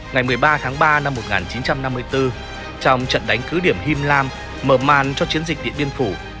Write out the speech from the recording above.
ngày một mươi ba tháng ba năm một nghìn chín trăm năm mươi bốn trong trận đánh cứ điểm him lam mở màn cho chiến dịch điện biên phủ